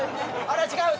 あら違う！